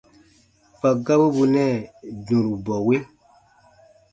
Kpa gabu bù nɛɛ dũrubɔwe.